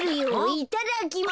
いただきま。